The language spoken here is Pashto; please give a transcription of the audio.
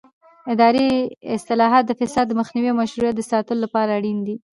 اداري اصلاحات د فساد د مخنیوي او مشروعیت د ساتلو لپاره اړین دي